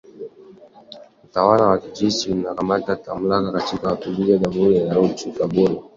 Utawala wa kijeshi ulikamata mamlaka katika mapinduzi ya Januari dhidi ya Rais Roch Kabore